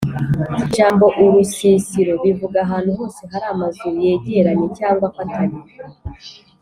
ijambo’’urusisiro’’bivuga ahantu hose hari amazu yegeranye cyangwa afatanye